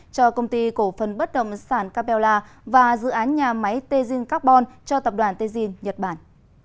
cho công ty cổ phần bất động sản capella và dự án nhà máy tejin carbon cho tập đoàn tejin nhật bản